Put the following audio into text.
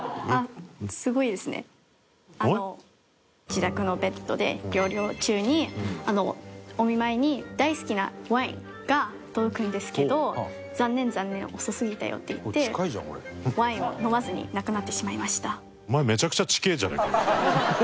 自宅のベッドで療養中にお見舞いに大好きなワインが届くんですけど「残念残念遅すぎたよ」って言ってワインを飲まずに亡くなってしまいました。